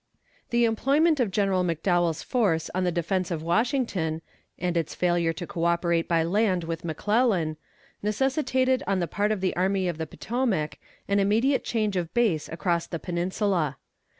The employment of General McDowell's force in the defense of Washington, and its failure to co operate by land with McClellan, necessitated on the part of the Army of the Potomac an immediate change of base across the Peninsula.